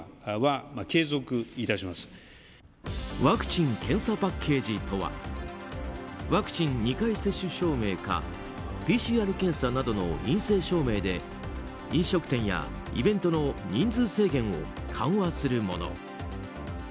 ワクチン・検査パッケージとはワクチン２回接種証明かＰＣＲ検査などの陰性証明で飲食店やイベントの人数制限を緩和するもの。